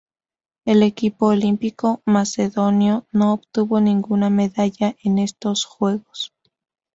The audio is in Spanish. El equipo olímpico macedonio no obtuvo ninguna medalla en estos Juegos.